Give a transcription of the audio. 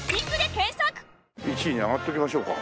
１位に上がっておきましょうか。